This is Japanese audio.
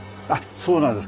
そうなんです。